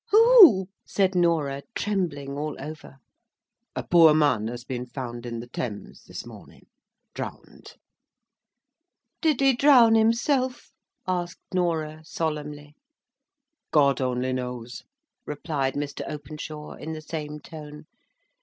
"Who?" said Norah, trembling all over. "A poor man has been found in the Thames this morning, drowned." "Did he drown himself?" asked Norah, solemnly. "God only knows," replied Mr. Openshaw, in the same tone.